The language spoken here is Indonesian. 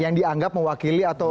yang dianggap mewakili atau